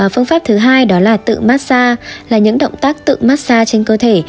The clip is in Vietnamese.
phương pháp thứ hai đó là tự massage là những động tác tự massage trên cơ thể